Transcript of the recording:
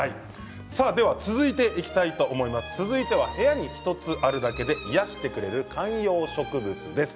続いては部屋に１つあるだけで癒やしてくれる観葉植物です。